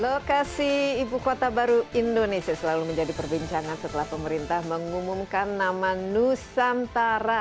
lokasi ibu kota baru indonesia selalu menjadi perbincangan setelah pemerintah mengumumkan nama nusantara